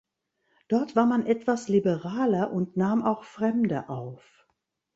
Dort war man etwas liberaler und nahm auch Fremde auf.